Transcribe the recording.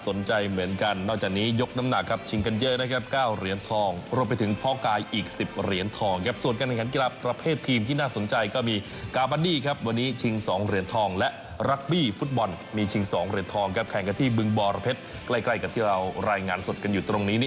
สนใจเหมือนกันนอกจากนี้ยกน้ำหนักครับชิงกันเยอะนะครับ๙เหรียญทองรวมไปถึงพ่อกายอีก๑๐เหรียญทองครับส่วนการแข่งขันกีฬาประเภททีมที่น่าสนใจก็มีกาบันดี้ครับวันนี้ชิง๒เหรียญทองและรักบี้ฟุตบอลมีชิง๒เหรียญทองครับแข่งกันที่บึงบรเพชรใกล้กับที่เรารายงานสดกันอยู่ตรงนี้